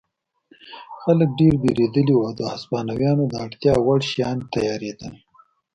خلک ډېر وېرېدلي وو او د هسپانویانو د اړتیا وړ شیان تیارېدل.